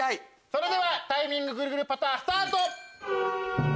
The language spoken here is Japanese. それではタイミングぐるぐるパタースタート！